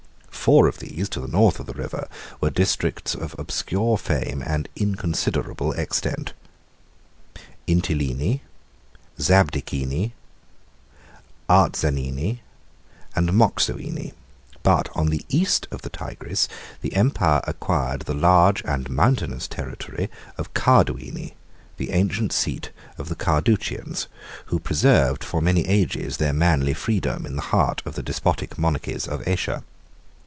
Four of these, to the north of the river, were districts of obscure fame and inconsiderable extent; Intiline, Zabdicene, Arzanene, and Moxoene; 791 but on the east of the Tigris, the empire acquired the large and mountainous territory of Carduene, the ancient seat of the Carduchians, who preserved for many ages their manly freedom in the heart of the despotic monarchies of Asia.